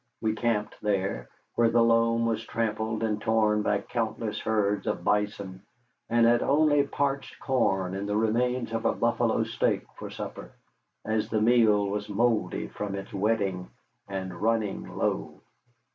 We camped there, where the loam was trampled and torn by countless herds of bison, and had only parched corn and the remains of a buffalo steak for supper, as the meal was mouldy from its wetting, and running low.